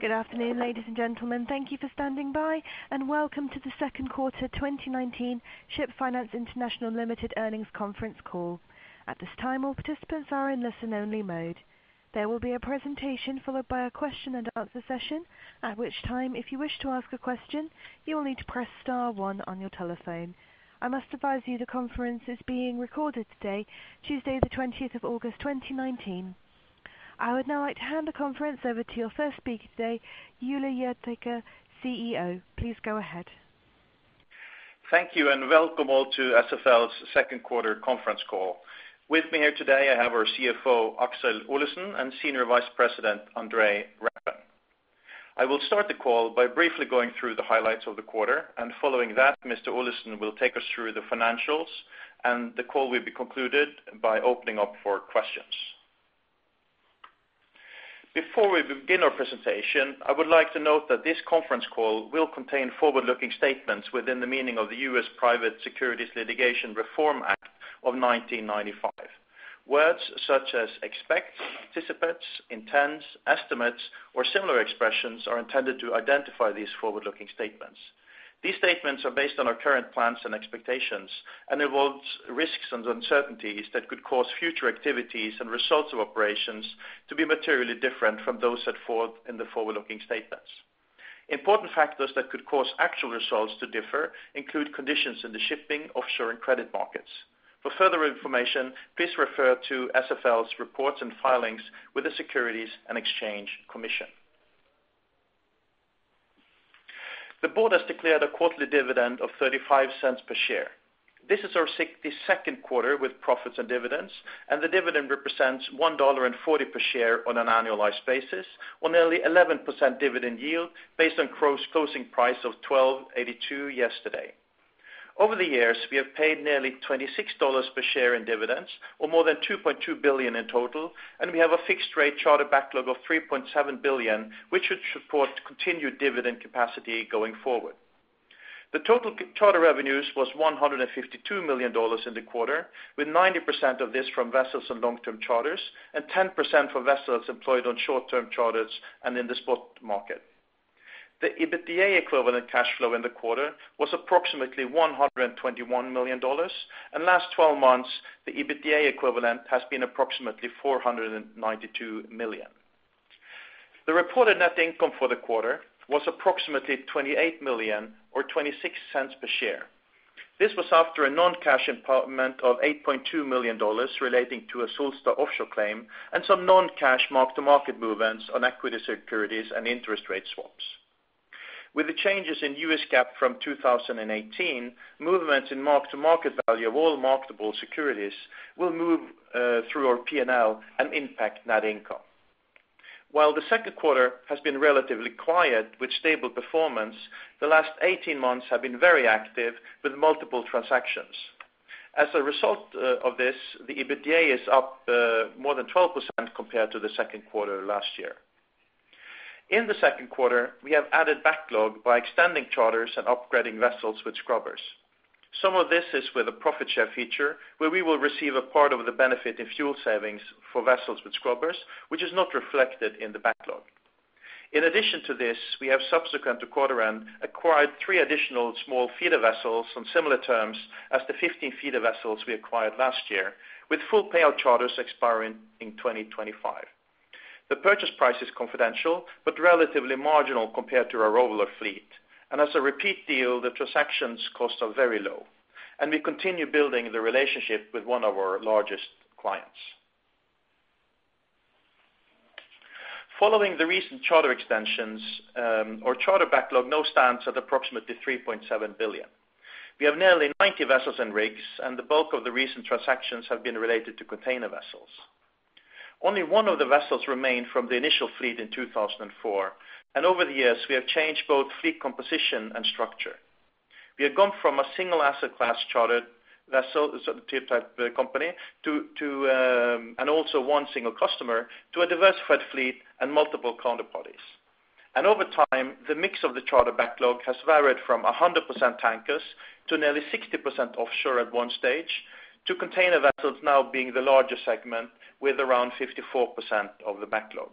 Good afternoon, ladies and gentlemen. Thank you for standing by, and welcome to the second quarter 2019 Ship Finance International Limited earnings conference call. At this time, all participants are in listen only mode. There will be a presentation followed by a question and answer session. At which time, if you wish to ask a question, you will need to press star one on your telephone. I must advise you the conference is being recorded today, Tuesday, August 20, 2019. I would now like to hand the conference over to your first speaker today, Ole Hjertaker, CEO. Please go ahead. Thank you, welcome all to SFL's second quarter conference call. With me here today, I have our CFO, Aksel Olesen, and Senior Vice President, Andre Reppen. I will start the call by briefly going through the highlights of the quarter, and following that, Mr. Olesen will take us through the financials, and the call will be concluded by opening up for questions. Before we begin our presentation, I would like to note that this conference call will contain forward-looking statements within the meaning of the U.S. Private Securities Litigation Reform Act of 1995. Words such as expect, anticipates, intends, estimates, or similar expressions are intended to identify these forward-looking statements. These statements are based on our current plans and expectations and involves risks and uncertainties that could cause future activities and results of operations to be materially different from those set forth in the forward-looking statements. Important factors that could cause actual results to differ include conditions in the shipping, offshore, and credit markets. For further information, please refer to SFL's reports and filings with the Securities and Exchange Commission. The board has declared a quarterly dividend of $0.35 per share. This is our 62nd quarter with profits and dividends. The dividend represents $1.40 per share on an annualized basis, or nearly 11% dividend yield based on closing price of $12.82 yesterday. Over the years, we have paid nearly $26 per share in dividends or more than $2.2 billion in total. We have a fixed rate charter backlog of $3.7 billion, which should support continued dividend capacity going forward. The total charter revenues was $152 million in the quarter, with 90% of this from vessels on long-term charters and 10% for vessels employed on short-term charters and in the spot market. The EBITDA equivalent cash flow in the quarter was approximately $121 million. In last 12 months, the EBITDA equivalent has been approximately $492 million. The reported net income for the quarter was approximately $28 million or $0.26 per share. This was after a non-cash impairment of $8.2 million relating to a Solstad Offshore claim and some non-cash mark-to-market movements on equity securities and interest rate swaps. With the changes in US GAAP from 2018, movements in mark-to-market value of all marketable securities will move through our P&L and impact net income. While the second quarter has been relatively quiet with stable performance, the last 18 months have been very active with multiple transactions. As a result of this, the EBITDA is up more than 12% compared to the second quarter last year. In the second quarter, we have added backlog by extending charters and upgrading vessels with scrubbers. Some of this is with a profit share feature where we will receive a part of the benefit in fuel savings for vessels with scrubbers, which is not reflected in the backlog. In addition to this, we have subsequent to quarter end, acquired three additional small feeder vessels on similar terms as the 15 feeder vessels we acquired last year, with full payout charters expiring in 2025. The purchase price is confidential but relatively marginal compared to our roller fleet, and as a repeat deal, the transactions costs are very low. We continue building the relationship with one of our largest clients. Following the recent charter extensions, our charter backlog now stands at approximately $3.7 billion. We have nearly 90 vessels and rigs, and the bulk of the recent transactions have been related to container vessels. Only one of the vessels remain from the initial fleet in 2004. Over the years, we have changed both fleet composition and structure. We have gone from a single asset class chartered vessel type company and also one single customer to a diversified fleet and multiple counterparties. Over time, the mix of the charter backlog has varied from 100% tankers to nearly 60% offshore at 1 stage, to container vessels now being the largest segment with around 54% of the backlog.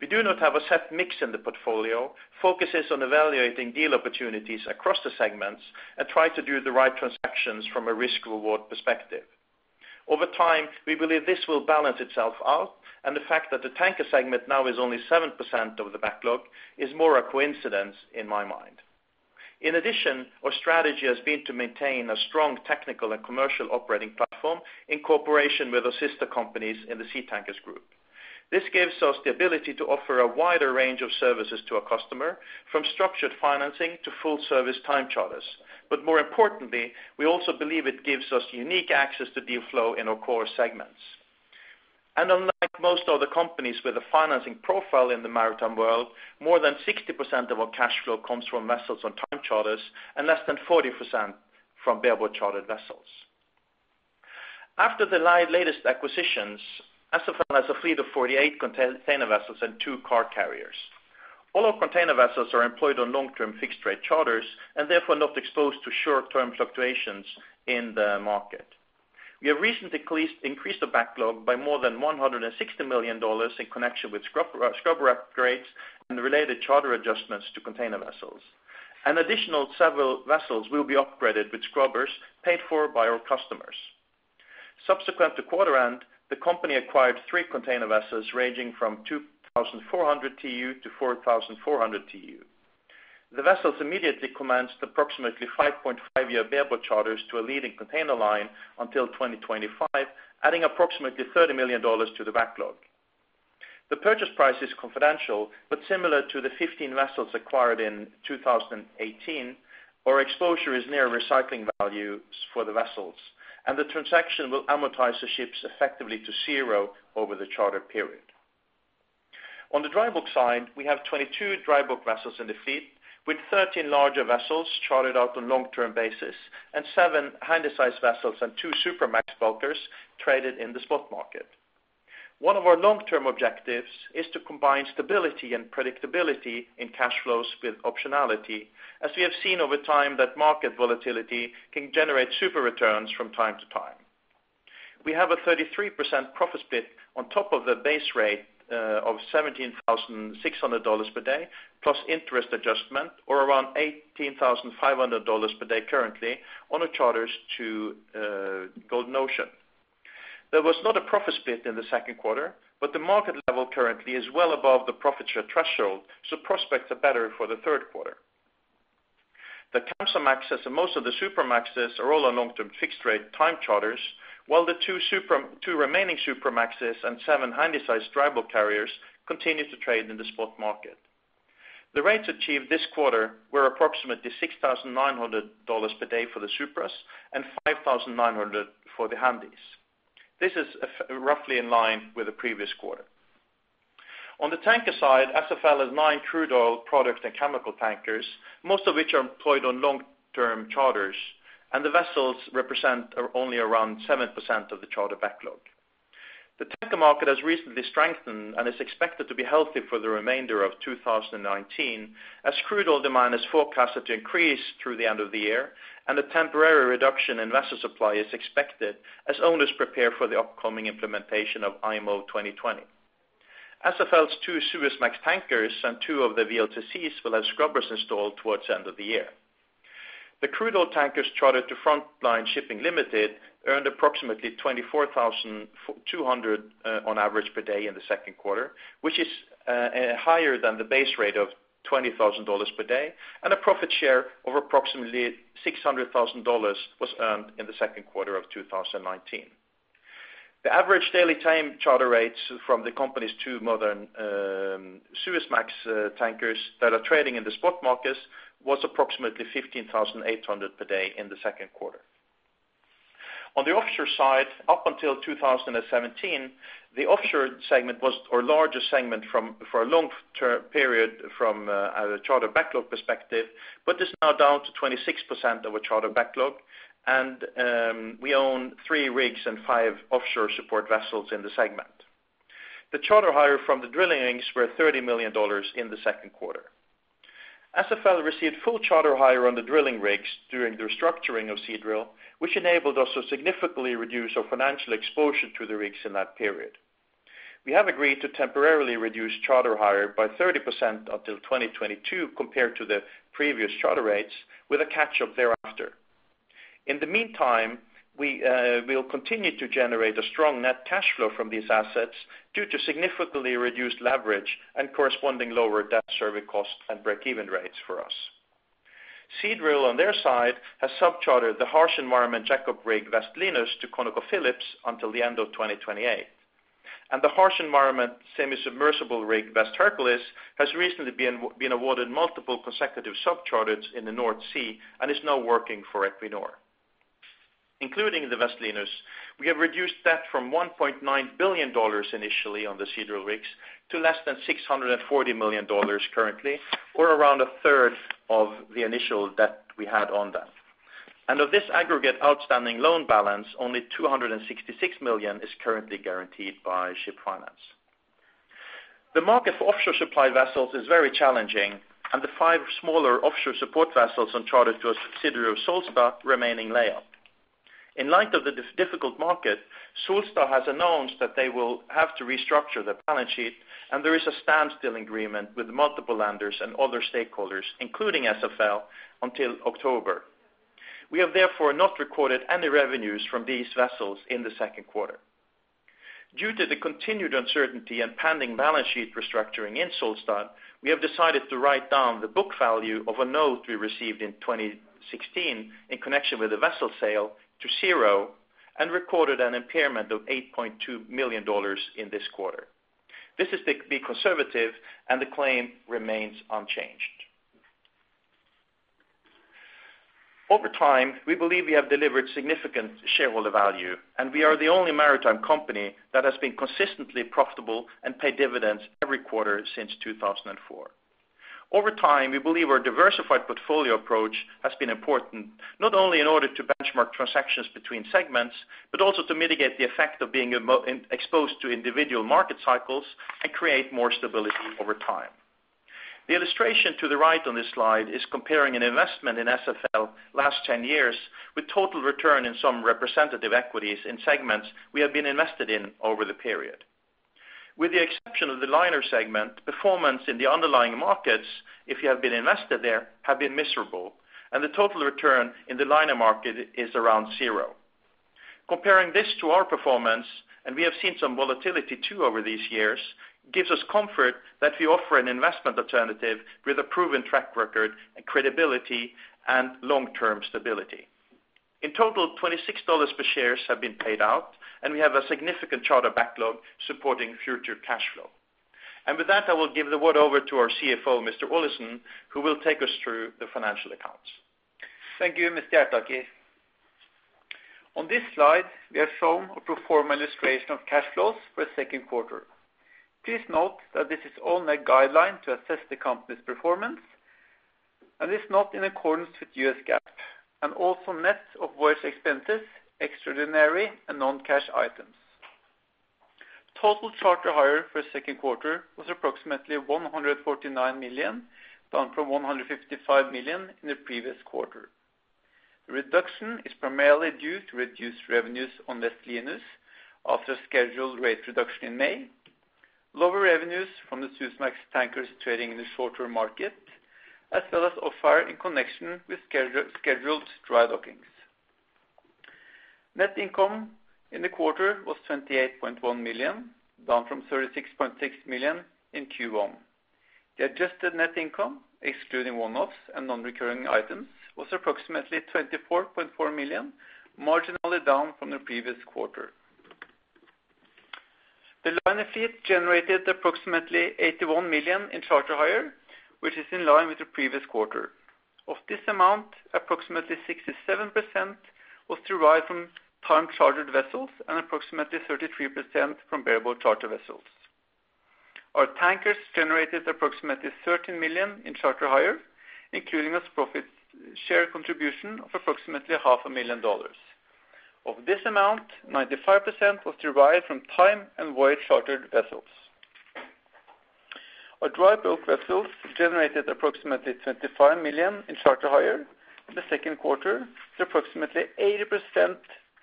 We do not have a set mix in the portfolio, focus is on evaluating deal opportunities across the segments and try to do the right transactions from a risk/reward perspective. Over time, we believe this will balance itself out. The fact that the tanker segment now is only 7% of the backlog is more a coincidence in my mind. In addition, our strategy has been to maintain a strong technical and commercial operating platform in cooperation with our sister companies in the Seatankers Group. This gives us the ability to offer a wider range of services to a customer, from structured financing to full service time charters. More importantly, we also believe it gives us unique access to deal flow in our core segments. Unlike most other companies with a financing profile in the maritime world, more than 60% of our cash flow comes from vessels on time charters and less than 40% from bareboat chartered vessels. After the latest acquisitions, SFL has a fleet of 48 container vessels and two car carriers. All our container vessels are employed on long-term fixed rate charters and therefore not exposed to short-term fluctuations in the market. We have recently increased the backlog by more than $160 million in connection with scrubber upgrades and related charter adjustments to container vessels. An additional several vessels will be upgraded with scrubbers paid for by our customers. Subsequent to quarter end, the company acquired 3 container vessels ranging from 2,400 TEU-4,400 TEU. The vessels immediately commenced approximately 5.5-year bareboat charters to a leading container line until 2025, adding approximately $30 million to the backlog. The purchase price is confidential, but similar to the 15 vessels acquired in 2018, our exposure is near recycling values for the vessels, and the transaction will amortize the ships effectively to zero over the charter period. On the dry bulk side, we have 22 dry bulk vessels in the fleet, with 13 larger vessels chartered out on long-term basis and 7 Handysize vessels and 2 Supramax bulkers traded in the spot market. One of our long-term objectives is to combine stability and predictability in cash flows with optionality, as we have seen over time that market volatility can generate super returns from time to time. We have a 33% profit split on top of the base rate of $17,600 per day, plus interest adjustment, or around $18,500 per day currently on our charters to Golden Ocean. There was not a profit split in the second quarter, but the market level currently is well above the profit share threshold, so prospects are better for the third quarter. The Kamsarmaxes and most of the Supramaxes are all on long-term fixed rate time charters, while the two remaining Supramaxes and seven Handysize dry bulk carriers continue to trade in the spot market. The rates achieved this quarter were approximately $6,900 per day for the Supras and $5,900 for the Handys. This is roughly in line with the previous quarter. On the tanker side, SFL has nine crude oil product and chemical tankers, most of which are employed on long-term charters, and the vessels represent only around 7% of the charter backlog. The tanker market has recently strengthened and is expected to be healthy for the remainder of 2019 as crude oil demand is forecasted to increase through the end of the year and a temporary reduction in vessel supply is expected as owners prepare for the upcoming implementation of IMO 2020. SFL's two Suezmax tankers and two of the VLCCs will have scrubbers installed towards the end of the year. The crude oil tankers chartered to Frontline plc earned approximately $24,200 on average per day in the second quarter, which is higher than the base rate of $20,000 per day, and a profit share of approximately $600,000 was earned in the second quarter of 2019. The average daily time charter rates from the company's two modern Suezmax tankers that are trading in the spot markets was approximately $15,800 per day in the second quarter. On the offshore side, up until 2017, the offshore segment was our largest segment for a long term period from a charter backlog perspective, but is now down to 26% of our charter backlog and we own three rigs and five offshore support vessels in the segment. The charter hire from the drilling rigs were $30 million in the second quarter. SFL received full charter hire on the drilling rigs during the restructuring of Seadrill, which enabled us to significantly reduce our financial exposure to the rigs in that period. We have agreed to temporarily reduce charter hire by 30% until 2022 compared to the previous charter rates with a catch-up thereafter. In the meantime, we will continue to generate a strong net cash flow from these assets due to significantly reduced leverage and corresponding lower debt serving costs and break-even rates for us. Seadrill, on their side, has sub-chartered the harsh environment jackup rig, West Linus, to ConocoPhillips until the end of 2028. The harsh environment semi-submersible rig, West Hercules, has recently been awarded multiple consecutive sub-charters in the North Sea and is now working for Equinor. Including the West Linus, we have reduced debt from $1.9 billion initially on the Seadrill rigs to less than $640 million currently, or around a third of the initial debt we had on them. Of this aggregate outstanding loan balance, only $266 million is currently guaranteed by Ship Finance. The market for offshore supply vessels is very challenging, and the five smaller offshore support vessels on charter to a subsidiary of Solstad remain in layup. In light of this difficult market, Solstad has announced that they will have to restructure their balance sheet, and there is a standstill agreement with multiple lenders and other stakeholders, including SFL, until October. We have therefore not recorded any revenues from these vessels in the second quarter. Due to the continued uncertainty and pending balance sheet restructuring in Solstad, we have decided to write down the book value of a note we received in 2016 in connection with a vessel sale to zero and recorded an impairment of $8.2 million in this quarter. This is to be conservative and the claim remains unchanged. Over time, we believe we have delivered significant shareholder value, and we are the only maritime company that has been consistently profitable and paid dividends every quarter since 2004. Over time, we believe our diversified portfolio approach has been important, not only in order to benchmark transactions between segments, but also to mitigate the effect of being exposed to individual market cycles and create more stability over time. The illustration to the right on this slide is comparing an investment in SFL last 10 years with total return in some representative equities in segments we have been invested in over the period. With the exception of the liner segment, performance in the underlying markets, if you have been invested there, have been miserable, and the total return in the liner market is around zero. Comparing this to our performance, and we have seen some volatility too over these years, gives us comfort that we offer an investment alternative with a proven track record, and credibility, and long-term stability. In total, $26 per shares have been paid out. We have a significant charter backlog supporting future cash flow. With that, I will give the word over to our CFO, Mr. Olesen, who will take us through the financial accounts. Thank you, Mr. Hjertaker. On this slide, we are shown a pro forma illustration of cash flows for the second quarter. Please note that this is only a guideline to assess the company's performance, is not in accordance with U.S. GAAP, and also net of voyage expenses, extraordinary, and non-cash items. Total charter hire for the second quarter was approximately $149 million, down from $155 million in the previous quarter. The reduction is primarily due to reduced revenues on West Linus after a scheduled rate reduction in May, lower revenues from the Supramax tankers trading in the short-term market, as well as off-hire in connection with scheduled dry dockings. Net income in the quarter was $28.1 million, down from $36.6 million in Q1. The adjusted net income, excluding one-offs and non-recurring items, was approximately $24.4 million, marginally down from the previous quarter. The liner fleet generated approximately $81 million in charter hire, which is in line with the previous quarter. Of this amount, approximately 67% was derived from time-chartered vessels and approximately 33% from variable charter vessels. Our tankers generated approximately $13 million in charter hire, including a profit share contribution of approximately half a million dollars. Of this amount, 95% was derived from time and voyage-chartered vessels. Our dry bulk vessels generated approximately $25 million in charter hire in the second quarter, approximately 80%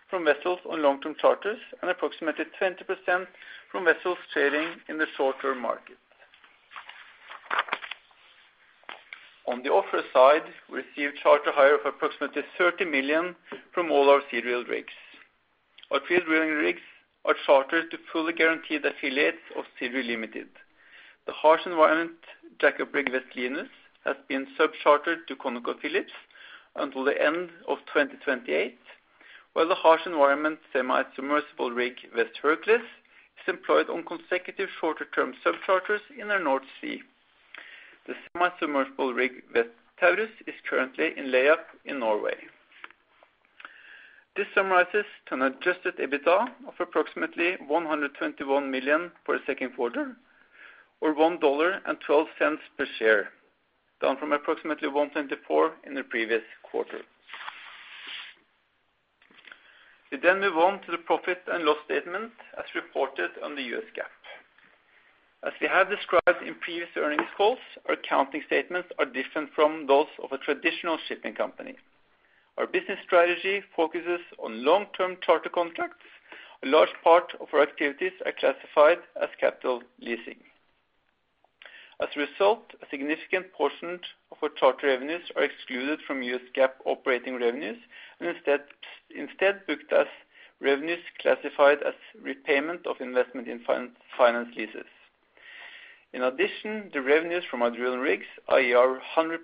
from vessels on long-term charters and approximately 20% from vessels trading in the short-term market. On the offshore side, we received charter hire of approximately $30 million from all our Seadrill rigs. Our drilling rigs are chartered to fully guaranteed affiliates of Seadrill Limited. The harsh environment jack-up rig West Linus has been sub-chartered to ConocoPhillips until the end of 2028, while the harsh environment semi-submersible rig West Hercules is employed on consecutive shorter-term sub-charters in the North Sea. The semi-submersible rig West Taurus is currently in layup in Norway. This summarizes to an adjusted EBITDA of approximately $121 million for the second quarter, or $1.12 per share, down from approximately $1.24 in the previous quarter. We move on to the profit and loss statement as reported on the U.S. GAAP. As we have described in previous earnings calls, our accounting statements are different from those of a traditional shipping company. Our business strategy focuses on long-term charter contracts. A large part of our activities are classified as capital leasing. As a result, a significant portion of our charter revenues are excluded from U.S. GAAP operating revenues and instead booked as revenues classified as repayment of investment in finance leases. In addition, the revenues from our drilling rigs, i.e., our 100%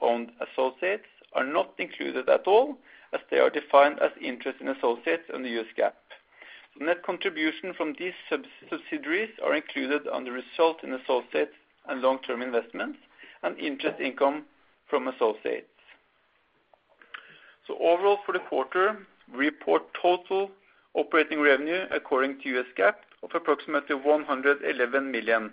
owned associates, are not included at all as they are defined as interest in associates under US GAAP. Net contribution from these subsidiaries are included under result in associates and long-term investments and interest income from associates. Overall for the quarter, we report total operating revenue according to US GAAP of approximately $111 million,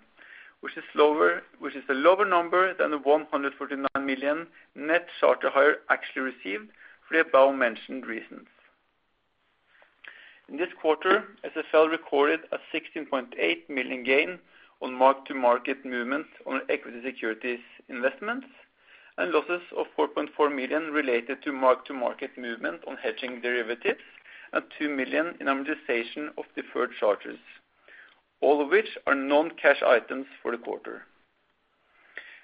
which is a lower number than the $149 million net charter hire actually received for the above-mentioned reasons. In this quarter, SFL recorded a $16.8 million gain on mark-to-market movement on equity securities investments and losses of $4.4 million related to mark-to-market movement on hedging derivatives and $2 million in amortization of deferred charters, all of which are non-cash items for the quarter.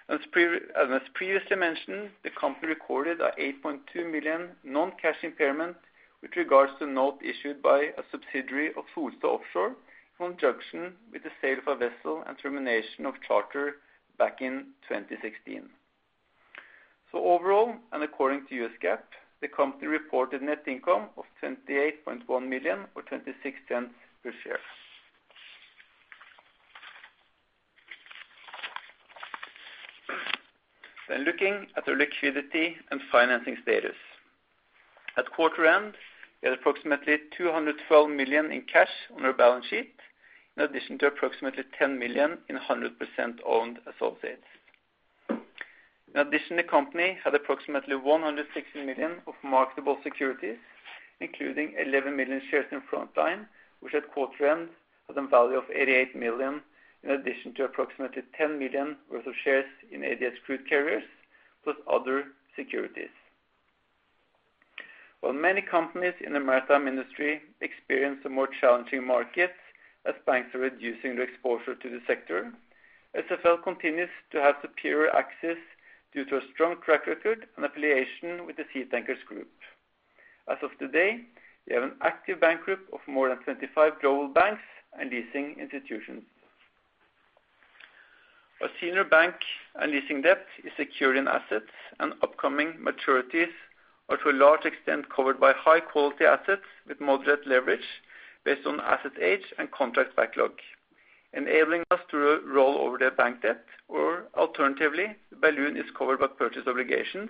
As previously mentioned, the company recorded an $8.2 million non-cash impairment with regards to a note issued by a subsidiary of Futura Offshore in conjunction with the sale of a vessel and termination of charter back in 2016. Overall, according to U.S. GAAP, the company reported net income of $28.1 million, or $0.26 per share. Looking at the liquidity and financing status. At quarter end, we had approximately $212 million in cash on our balance sheet, in addition to approximately $10 million in 100% owned associates. In addition, the company had approximately $116 million of marketable securities, including 11 million shares in Frontline, which at quarter end had a value of $88 million, in addition to approximately $10 million worth of shares in ADS Crude Carriers, plus other securities. While many companies in the maritime industry experience a more challenging market as banks are reducing their exposure to the sector, SFL continues to have superior access due to a strong track record and affiliation with the SeaTankers Group. As of today, we have an active bank group of more than 25 global banks and leasing institutions. Our senior bank and leasing debt is secured in assets, and upcoming maturities are to a large extent covered by high-quality assets with moderate leverage based on asset age and contract backlog, enabling us to roll over their bank debt, or alternatively, the balloon is covered by purchase obligations,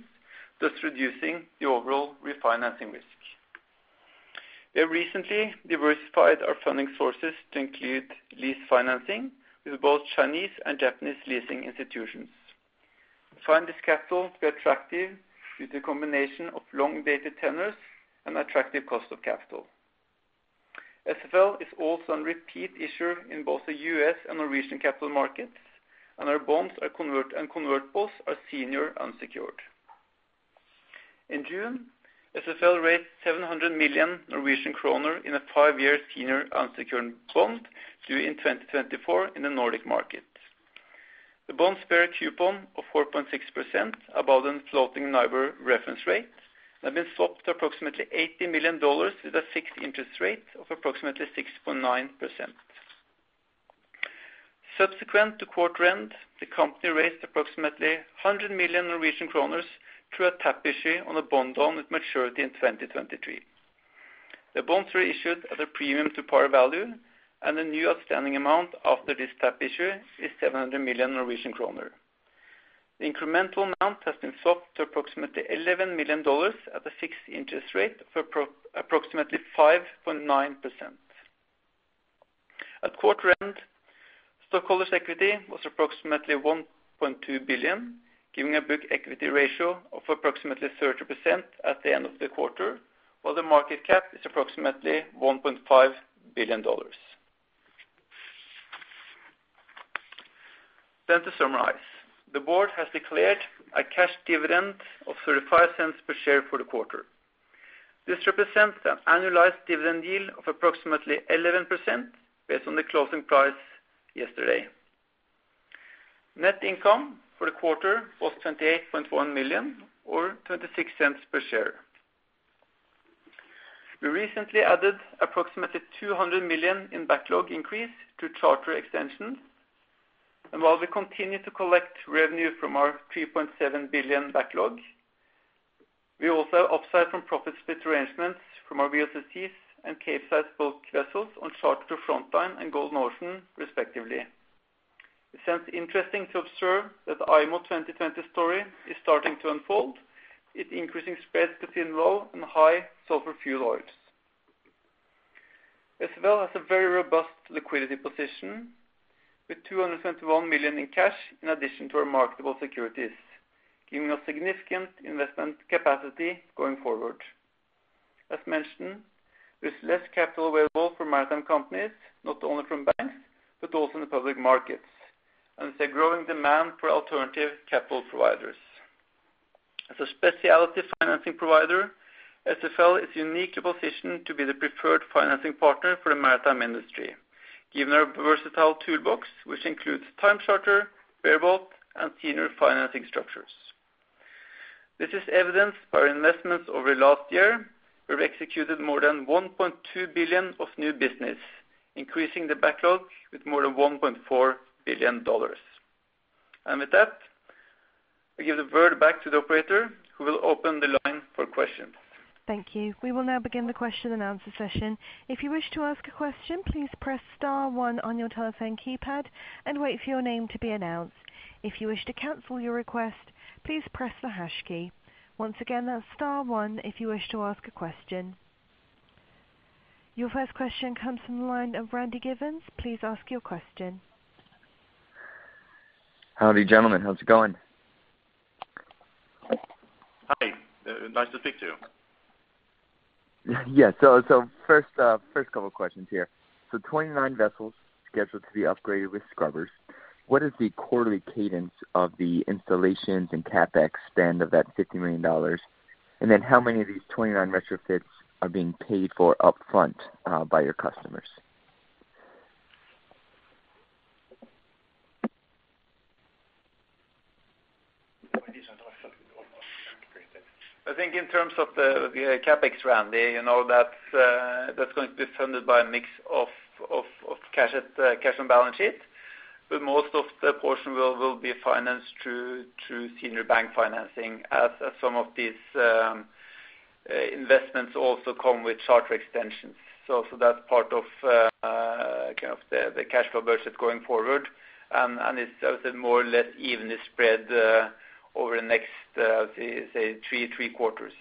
thus reducing the overall refinancing risk. We have recently diversified our funding sources to include lease financing with both Chinese and Japanese leasing institutions. We find this capital to be attractive due to a combination of long-dated tenors and attractive cost of capital. SFL is also a repeat issuer in both the U.S. and Norwegian capital markets, and our bonds and convertibles are senior unsecured. In June, SFL raised 700 million Norwegian kroner in a five-year senior unsecured bond due in 2024 in the Nordic market. The bond bears a coupon of 4.6% above the floating NIBOR reference rate and have been swapped to approximately $80 million with a fixed interest rate of approximately 6.9%. Subsequent to quarter end, the company raised approximately 100 million Norwegian kroner through a tap issue on a bond on its maturity in 2023. The bonds were issued at a premium to par value, and the new outstanding amount after this tap issue is 700 million Norwegian kroner. The incremental amount has been swapped to approximately $11 million at a fixed interest rate of approximately 5.9%. At quarter end, stockholders' equity was $1.2 billion, giving a book equity ratio of 30% at the end of the quarter, while the market cap is $1.5 billion. To summarize, the board has declared a cash dividend of $0.35 per share for the quarter. This represents an annualized dividend yield of 11% based on the closing price yesterday. Net income for the quarter was $28.1 million or $0.26 per share. We recently added $200 million in backlog increase to charter extensions. While we continue to collect revenue from our $3.7 billion backlog, we also have upside from profit split arrangements from our VLCCs and Capesize bulk vessels on charter to Frontline and Golden Ocean, respectively. It seems interesting to observe that the IMO 2020 story is starting to unfold, with increasing spreads between low and high sulfur fuel oils. SFL has a very robust liquidity position with $271 million in cash, in addition to our marketable securities, giving us significant investment capacity going forward. As mentioned, there's less capital available for maritime companies, not only from banks, but also in the public markets. There's a growing demand for alternative capital providers. As a specialty financing provider, SFL is uniquely positioned to be the preferred financing partner for the maritime industry, given our versatile toolbox, which includes time charter, bareboat, and senior financing structures. This is evidenced by our investments over last year. We have executed more than $1.2 billion of new business, increasing the backlog with more than $1.4 billion. With that, I give the word back to the operator, who will open the line for questions. Thank you. We will now begin the question and answer session. If you wish to ask a question, please press *1 on your telephone keypad and wait for your name to be announced. If you wish to cancel your request, please press the # key. Once again, that's *1 if you wish to ask a question. Your first question comes from the line of Randy Givens. Please ask your question. Howdy, gentlemen. How's it going? Hi. Nice to speak to you. Yeah. First couple of questions here. 29 vessels scheduled to be upgraded with scrubbers. What is the quarterly cadence of the installations and CapEx spend of that $50 million? How many of these 29 retrofits are being paid for upfront by your customers? I think in terms of the CapEx, Randy, that's going to be funded by a mix of cash on the balance sheet, but most of the portion will be financed through senior bank financing as some of these investments also come with charter extensions. That's part of the cash flow budget going forward, and it's more or less evenly spread over the next, say, three quarters.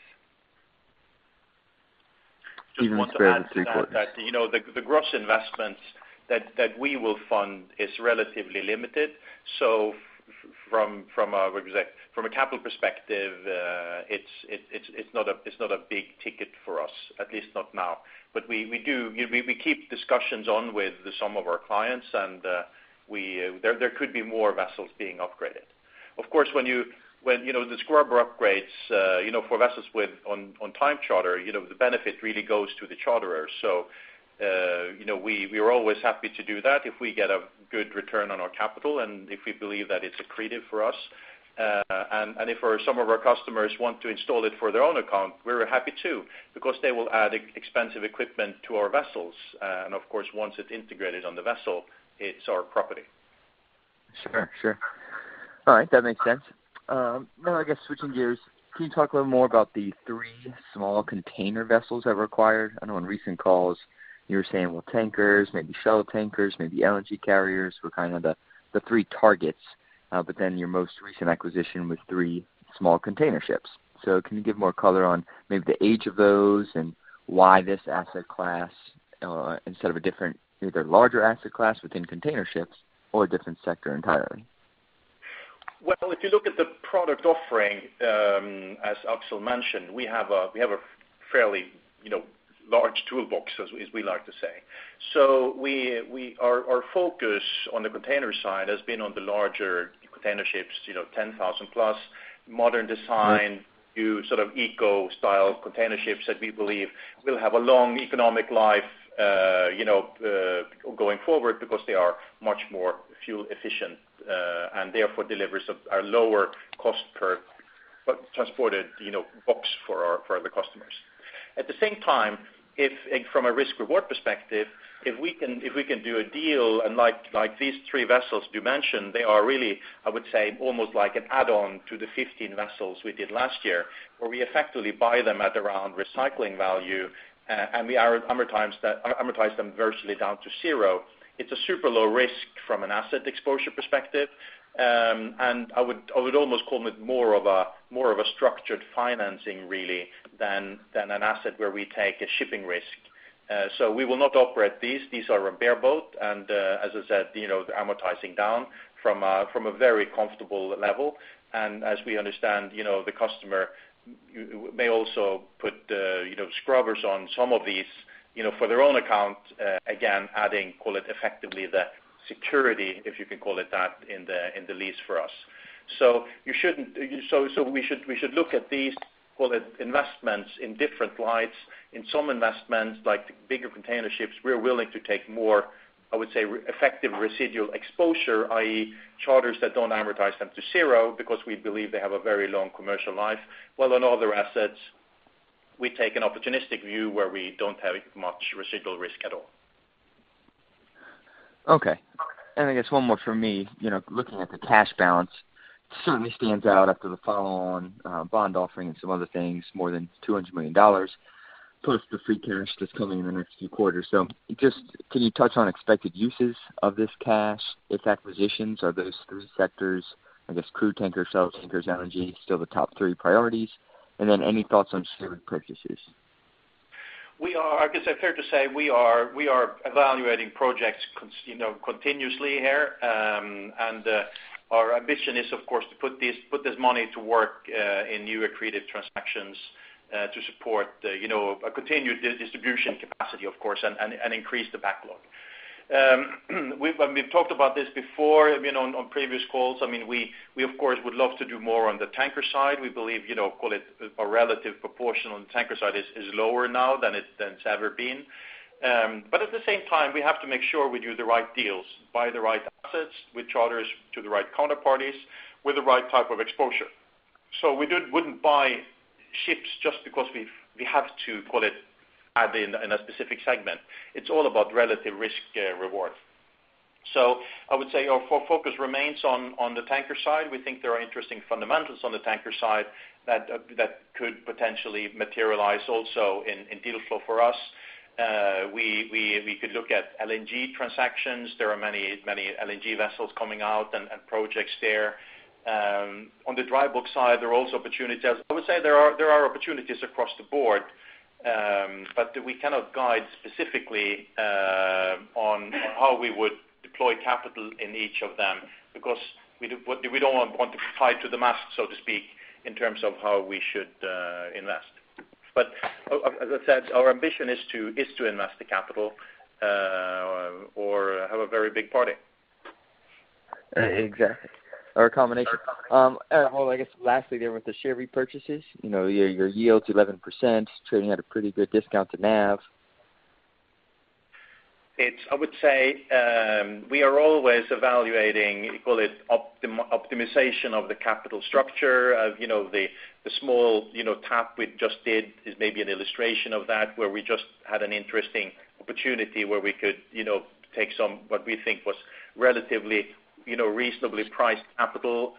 Just want to add to that, the gross investments that we will fund is relatively limited. From a capital perspective, it's not a big ticket for us, at least not now. We keep discussions on with some of our clients, and there could be more vessels being upgraded. Of course, when the scrubber upgrades, for vessels on time charter, the benefit really goes to the charterers. We are always happy to do that if we get a good return on our capital and if we believe that it's accretive for us. If some of our customers want to install it for their own account, we're happy too, because they will add expensive equipment to our vessels. Of course, once it's integrated on the vessel, it's our property. Sure. All right. That makes sense. I guess switching gears, can you talk a little more about the three small container vessels that were acquired? I know on recent calls you were saying, well, tankers, maybe shuttle tankers, maybe LNG carriers were kind of the three targets. Your most recent acquisition was three small container ships. Can you give more color on maybe the age of those and why this asset class, instead of a different, either larger asset class within container ships or a different sector entirely? If you look at the product offering, as Aksel mentioned, we have a fairly large toolbox, as we like to say. Our focus on the container side has been on the larger container ships, 10,000 plus modern design, new sort of eco-style container ships that we believe will have a long economic life going forward because they are much more fuel efficient, and therefore delivers a lower cost per transported box for the customers. At the same time, from a risk reward perspective, if we can do a deal and like these three vessels you mentioned, they are really, I would say, almost like an add-on to the 15 vessels we did last year, where we effectively buy them at around recycling value, and we amortize them virtually down to zero. It's a super low risk from an asset exposure perspective. I would almost call it more of a structured financing, really, than an asset where we take a shipping risk. We will not operate these. These are a bareboat, and as I said, they're amortizing down from a very comfortable level. As we understand, the customer may also put scrubbers on some of these for their own account, again, adding, call it effectively the security, if you can call it that, in the lease for us. We should look at these, call it investments in different lights. In some investments like bigger container ships, we are willing to take more, I would say, effective residual exposure, i.e., charters that don't amortize them to zero because we believe they have a very long commercial life. While on other assets, we take an opportunistic view where we don't have much residual risk at all. Okay. I guess one more from me, looking at the cash balance, certainly stands out after the follow on bond offering and some other things, more than $200 million, plus the free cash that's coming in the next few quarters. Just can you touch on expected uses of this cash, if acquisitions, are those 3 sectors, I guess, crude tankers, shuttle tankers, LNG, still the top three priorities? Then any thoughts on share repurchases? I guess fair to say, we are evaluating projects continuously here. Our ambition is, of course, to put this money to work in new accretive transactions to support a continued distribution capacity, of course, and increase the backlog. We've talked about this before on previous calls. We of course would love to do more on the tanker side. We believe, call it a relative proportion on the tanker side is lower now than it's ever been. At the same time, we have to make sure we do the right deals, buy the right assets with charters to the right counterparties with the right type of exposure. We wouldn't buy ships just because we have to, call it, add in a specific segment. It's all about relative risk reward. I would say our focus remains on the tanker side. We think there are interesting fundamentals on the tanker side that could potentially materialize also in deal flow for us. We could look at LNG transactions. There are many LNG vessels coming out and projects there. On the dry bulk side, there are also opportunities. I would say there are opportunities across the board, but we cannot guide specifically on how we would deploy capital in each of them because we don't want to be tied to the mast, so to speak, in terms of how we should invest. As I said, our ambition is to invest the capital or have a very big party. Exactly. A combination. I guess lastly, with the share repurchases, your yield's 11%, trading at a pretty good discount to NAV. I would say, we are always evaluating, call it optimization of the capital structure. The small tap we just did is maybe an illustration of that, where we just had an interesting opportunity where we could take some, what we think was relatively reasonably priced capital,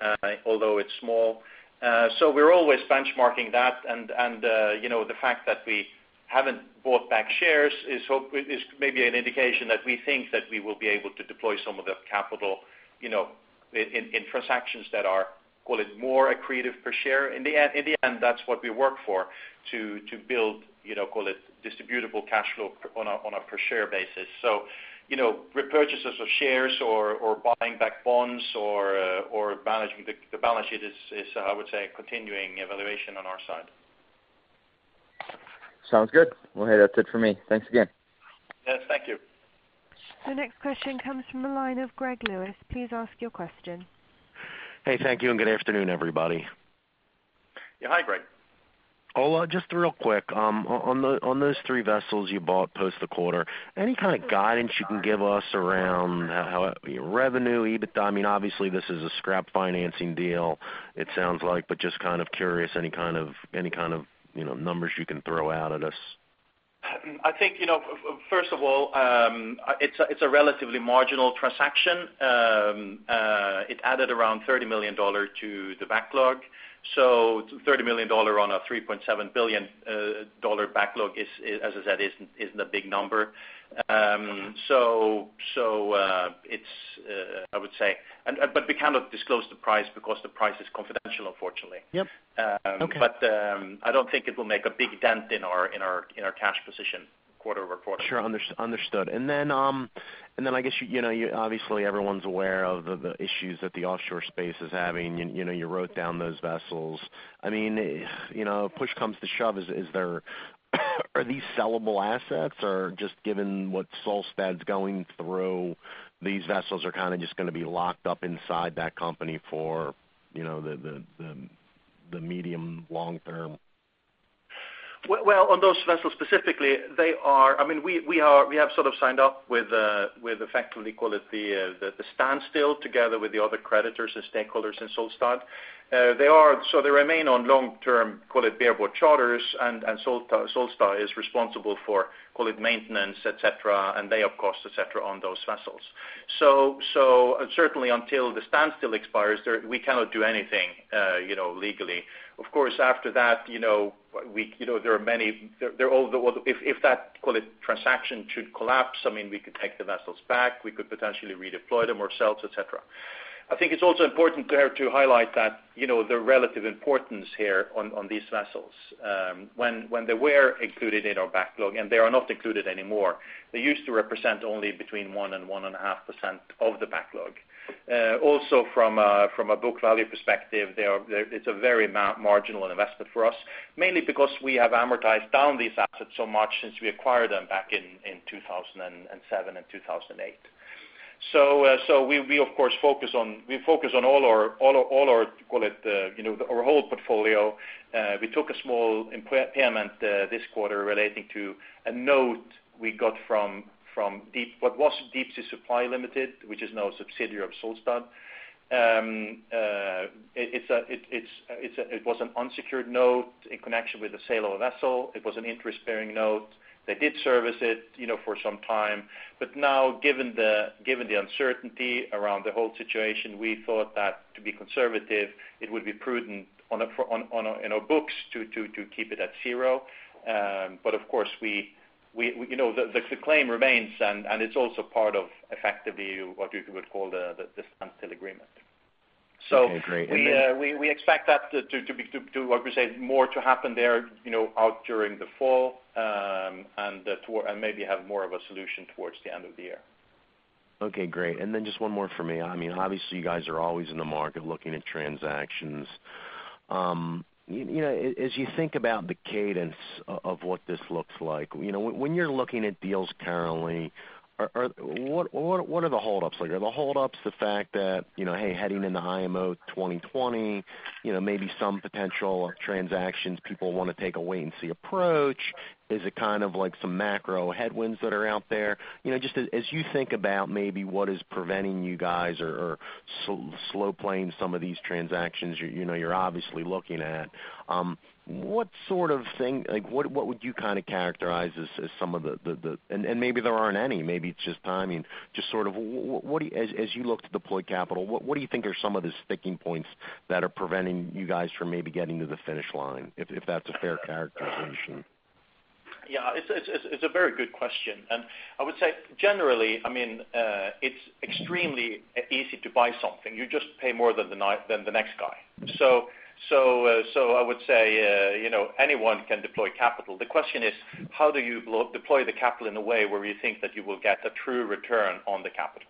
although it’s small. We are always benchmarking that, and the fact that we haven’t bought back shares is maybe an indication that we think that we will be able to deploy some of that capital in transactions that are, call it more accretive per share. In the end, that’s what we work for, to build, call it distributable cash flow on a per share basis. Repurchases of shares or buying back bonds or managing the balance sheet is, I would say, a continuing evaluation on our side. Sounds good. Well, hey, that's it for me. Thanks again. Yes, thank you. The next question comes from the line of Gregory Lewis. Please ask your question. Hey, thank you, and good afternoon, everybody. Yeah. Hi, Greg. Ole, just real quick, on those three vessels you bought post the quarter, any kind of guidance you can give us around revenue, EBITDA? Obviously, this is a scrap financing deal it sounds like, but just kind of curious, any kind of numbers you can throw out at us? I think, first of all, it's a relatively marginal transaction. It added around $30 million to the backlog. $30 million on a $3.7 billion backlog, as I said, isn't a big number. We cannot disclose the price because the price is confidential, unfortunately. Yep. Okay. I don't think it will make a big dent in our cash position quarter-over-quarter. Sure. Understood. I guess, obviously everyone's aware of the issues that the offshore space is having, you wrote down those vessels. Push comes to shove, are these sellable assets? Or just given what Solstad's going through, these vessels are just going to be locked up inside that company for the medium long term? Well, on those vessels specifically, we have sort of signed up with effectively, call it the standstill together with the other creditors and stakeholders in Solstad Offshore. They remain on long-term, call it bareboat charters, and Solstad Offshore is responsible for, call it maintenance, et cetera, and day up cost, et cetera, on those vessels. Certainly until the standstill expires, we cannot do anything legally. Of course, after that, if that, call it, transaction should collapse, we could take the vessels back, we could potentially redeploy them or sell et cetera. I think it's also important there to highlight that the relative importance here on these vessels. When they were included in our backlog, and they are not included anymore, they used to represent only between 1% and 1.5% of the backlog. From a book value perspective, it's a very marginal investment for us, mainly because we have amortized down these assets so much since we acquired them back in 2007 and 2008. We of course focus on our whole portfolio. We took a small impairment this quarter relating to a note we got from what was Deep Sea Supply Limited, which is now a subsidiary of Solstad. It was an unsecured note in connection with the sale of a vessel. It was an interest-bearing note. They did service it for some time. Now, given the uncertainty around the whole situation, we thought that to be conservative, it would be prudent in our books to keep it at zero. Of course, the claim remains and it's also part of effectively what you would call the standstill agreement. Okay, great. Then- We expect that to, like we said, more to happen there out during the fall, and maybe have more of a solution towards the end of the year. Okay, great. Just one more from me. Obviously, you guys are always in the market looking at transactions. As you think about the cadence of what this looks like, when you're looking at deals currently, what are the holdups like? Are the holdups the fact that, hey, heading into IMO 2020, maybe some potential transactions, people want to take a wait and see approach? Is it some macro headwinds that are out there? Just as you think about maybe what is preventing you guys or slow playing some of these transactions you're obviously looking at, what would you characterize as some of the? Maybe there aren't any, maybe it's just timing. As you look to deploy capital, what do you think are some of the sticking points that are preventing you guys from maybe getting to the finish line, if that's a fair characterization? It's a very good question, and I would say generally, it's extremely easy to buy something. You just pay more than the next guy. I would say anyone can deploy capital. The question is, how do you deploy the capital in a way where you think that you will get a true return on the capital?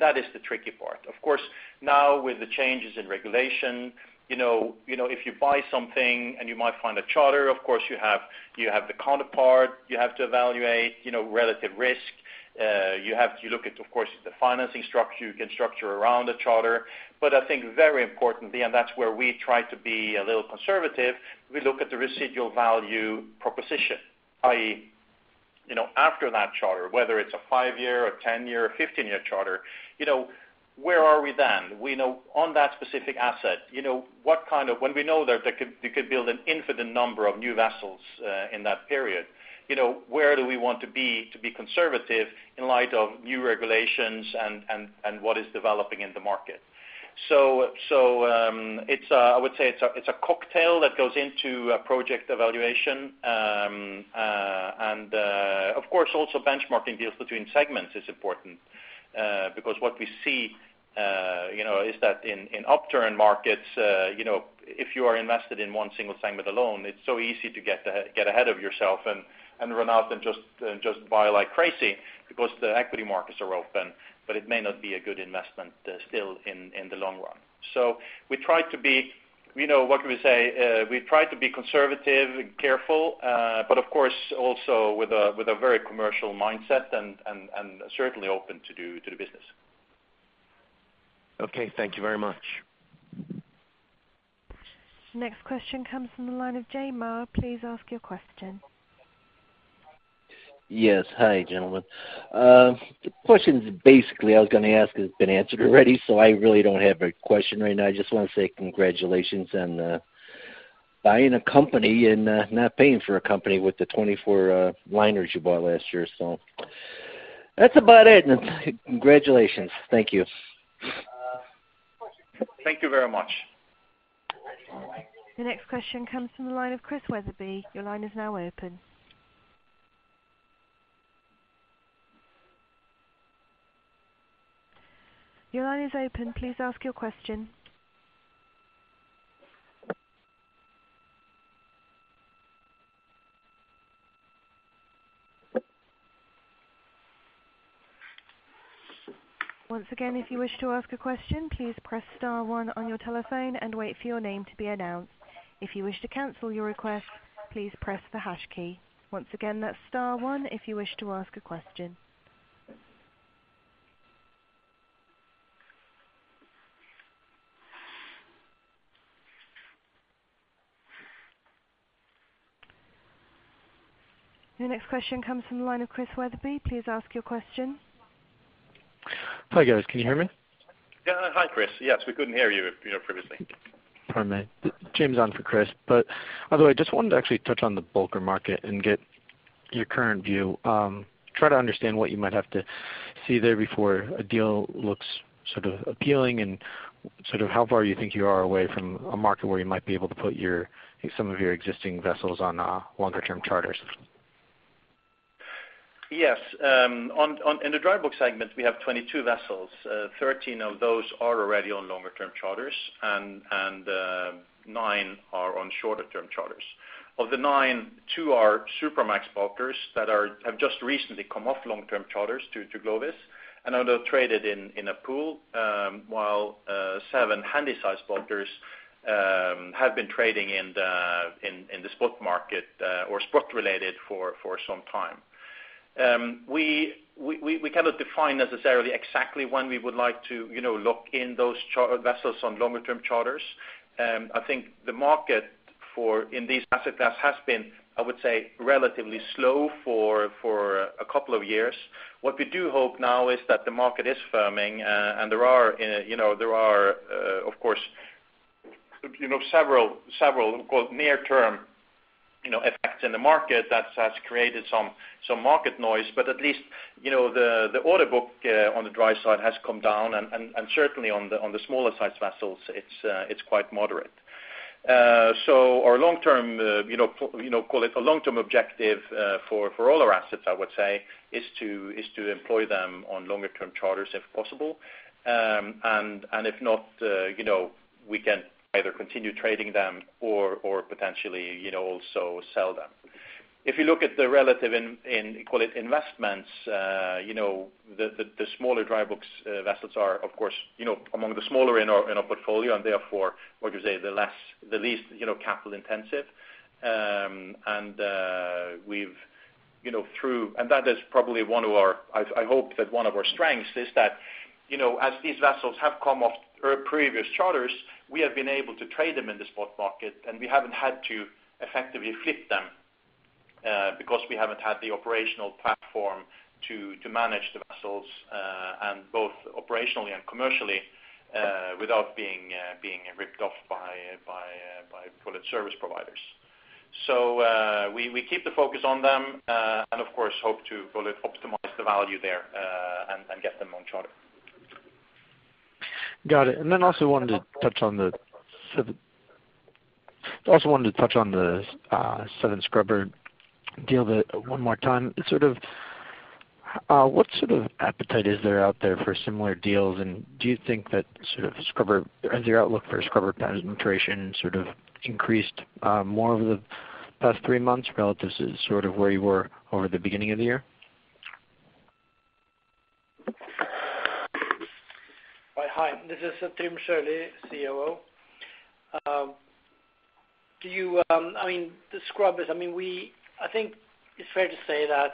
That is the tricky part. Of course, now with the changes in regulation, if you buy something and you might find a charter, of course you have the counterpart, you have to evaluate relative risk. You look at, of course, the financing structure, you can structure around the charter. I think very importantly, and that's where we try to be a little conservative, we look at the residual value proposition, i.e., after that charter, whether it's a five-year or 10-year or 15-year charter, where are we then? We know on that specific asset, when we know that they could build an infinite number of new vessels in that period, where do we want to be, to be conservative in light of new regulations and what is developing in the market? I would say it's a cocktail that goes into a project evaluation. Of course, also benchmarking deals between segments is important. What we see is that in upturn markets, if you are invested in one single segment alone, it's so easy to get ahead of yourself and run out and just buy like crazy because the equity markets are open, but it may not be a good investment still in the long run. We try to be conservative and careful, but of course, also with a very commercial mindset and certainly open to the business. Okay. Thank you very much. Next question comes from the line of Jay Maher. Please ask your question. Yes. Hi, gentlemen. The question basically I was going to ask has been answered already, so I really don't have a question right now. I just want to say congratulations on buying a company and not paying for a company with the 24 liners you bought last year. That's about it. Congratulations. Thank you. Thank you very much. The next question comes from the line of Chris Wetherbee. Your line is now open. Your line is open. Please ask your question. Once again, if you wish to ask a question, please press star one on your telephone and wait for your name to be announced. If you wish to cancel your request, please press the hash key. Once again, that's star one if you wish to ask a question. The next question comes from the line of Chris Wetherbee. Please ask your question. Hi, guys. Can you hear me? Yeah. Hi, Chris. Yes, we couldn't hear you previously. Pardon me. James on for Chris. By the way, just wanted to actually touch on the bulker market and get your current view. Try to understand what you might have to see there before a deal looks appealing, and how far you think you are away from a market where you might be able to put some of your existing vessels on longer term charters. Yes. In the dry bulk segment, we have 22 vessels. 13 of those are already on longer term charters, and nine are on shorter term charters. Of the nine, two are Supramax bulkers that have just recently come off long term charters to Glovis, and are now traded in a pool, while seven Handysize bulkers have been trading in the spot market, or spot related, for some time. We cannot define necessarily exactly when we would like to lock in those vessels on longer term charters. I think the market in this asset class has been, I would say, relatively slow for a couple of years. What we do hope now is that the market is firming. There are, of course, several "near term" effects in the market that has created some market noise. At least the order book on the dry side has come down, and certainly on the smaller size vessels, it's quite moderate. Our long-term objective for all our assets, I would say, is to employ them on longer term charters if possible. If not, we can either continue trading them or potentially also sell them. If you look at the relative investments, the smaller dry bulk vessels are, of course, among the smaller in our portfolio. Therefore, what would you say, the least capital intensive. That is probably one of our, I hope that one of our strengths is that as these vessels have come off previous charters, we have been able to trade them in the spot market, and we haven't had to effectively flip them, because we haven't had the operational platform to manage the vessels, and both operationally and commercially, without being ripped off by service providers. We keep the focus on them, and of course hope to fully optimize the value there, and get them on charter. Got it. Also wanted to touch on the seven scrubber deal one more time. What sort of appetite is there out there for similar deals? Do you think that your outlook for scrubber penetration increased more over the past three months relative to where you were over the beginning of the year? Hi, this is Trym Sjølie, COO. The scrubbers, I think it's fair to say that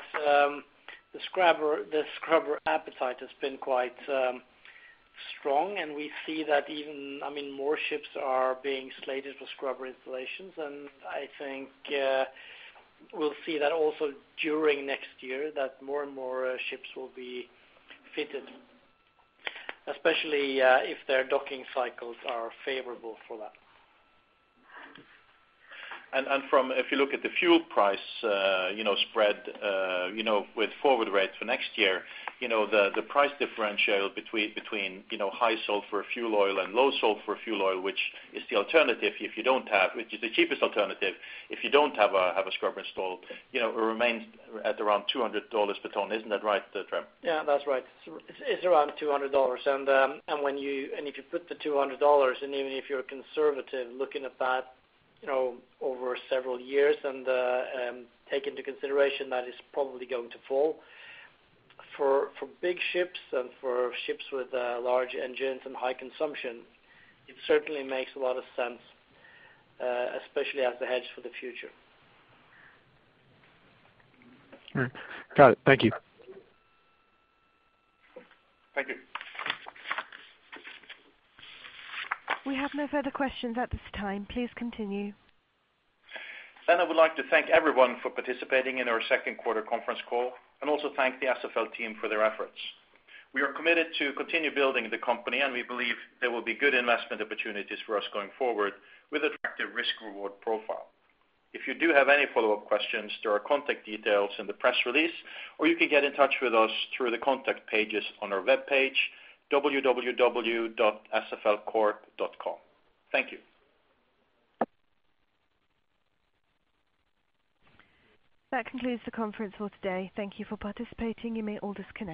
the scrubber appetite has been quite strong, we see that even more ships are being slated for scrubber installations. I think we'll see that also during next year, that more and more ships will be fitted, especially if their docking cycles are favorable for that. If you look at the fuel price spread with forward rates for next year, the price differential between high sulfur fuel oil and low sulfur fuel oil, which is the cheapest alternative if you don't have a scrubber installed, remains at around $200 per ton. Isn't that right, Trym? Yeah, that's right. It's around $200. If you put the $200, and even if you're conservative looking at that over several years, and take into consideration that it's probably going to fall, for big ships and for ships with large engines and high consumption, it certainly makes a lot of sense, especially as a hedge for the future. All right. Got it. Thank you. Thank you. We have no further questions at this time. Please continue. I would like to thank everyone for participating in our second quarter conference call, and also thank the SFL team for their efforts. We are committed to continue building the company, and we believe there will be good investment opportunities for us going forward with attractive risk/reward profile. If you do have any follow-up questions, there are contact details in the press release, or you can get in touch with us through the contact pages on our webpage, www.sflcorp.com. Thank you. That concludes the conference for today. Thank you for participating. You may all disconnect.